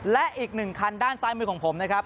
และอีกหนึ่งคันด้านซ้ายมือของผมนะครับ